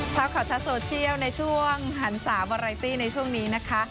เช้าข่าวชัดโซเชียลในช่วงหันศาวาไรตี้ในช่วงนี้นะคะ